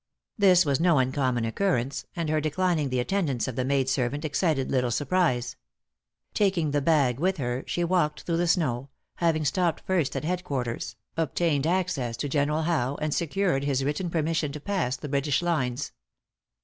This was no uncommon occurrence; and her declining the attendance of the maid servant exited little surprise. Taking the bag with her, she walked through the snow; having stopped first at head quarters, obtained access to General Howe, and secured his written permission to pass the British lines.